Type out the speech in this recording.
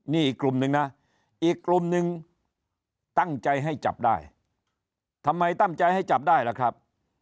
นี่อีกกลุ่มนึงนะอีกกลุ่มหนึ่งตั้งใจให้จับได้ทำไมตั้งใจให้จับได้ล่ะครับ